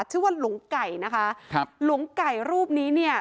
ชื่อว่าหลวงไก่นะคะครับหลวงไก่รูปนี้เนี่ย